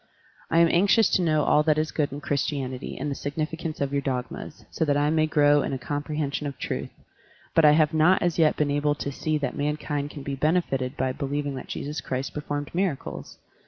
I am anxious to know all that is good in Christianity and the significance of your dogmas, so that I may grow in a compre hension of truth, but I have not as yet been able to see that mankind can be benefited by believing that Jesus Christ performed miracles.